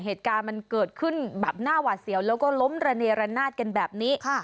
เหตุการณ์มันเกิดขึ้นแบบหน้าหวาดเสียวแล้วก็ล้มระเนรนาศกันแบบนี้